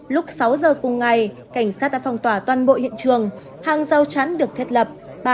lúc sáu giờ cùng ngày cảnh sát đã phong tỏa toàn bộ hiện trường hàng giao chắn được thiết lập